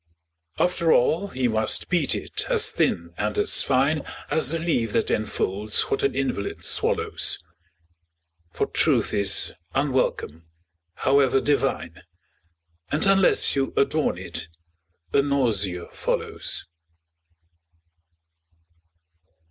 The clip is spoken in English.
After all he must beat it as thin and as fine As the leaf that enfolds what an invalid swallows, For truth is unwelcome, however divine, And unless you adorn it, a nausea follows.